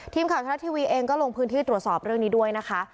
ทีมข่าวทะละทีวีเองก็ลงพื้นที่ตรวจสอบเรื่องนี้ด้วยนะคะ